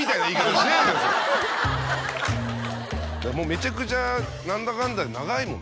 もうめちゃくちゃ何だかんだで長いもんね。